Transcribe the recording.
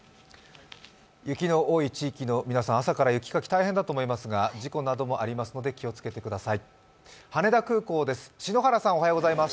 雪の多い地域の皆さん、朝から雪かき大変だと思いますが、事故などもありますので気をつけてください。